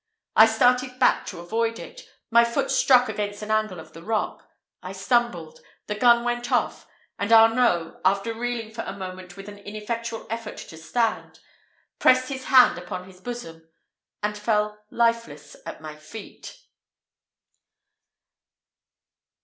I started back to avoid it; my foot struck against an angle of the rock; I stumbled; the gun went off; and Arnault, after reeling for a moment with an ineffectual effort to stand, pressed his hand upon his bosom, and fell lifeless at my feet.